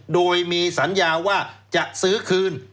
โดยมีสัญญาว่าจะซื้อคืน